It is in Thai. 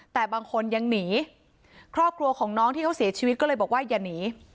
แต่บางคนยังหนีครอบครัวของน้องที่เขาเสียชีวิตก็เลยบอกว่าอย่าหนี